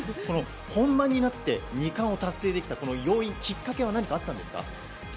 本番になって２冠を達成できたこの要因、きっかけは何かあったんですか？